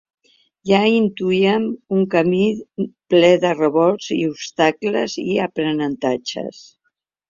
Ja intuíem un camí ple de revolts i obstacles i aprenentatges.